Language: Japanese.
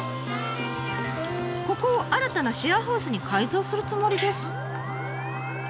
ここを新たなシェアハウスに改造するつもりです。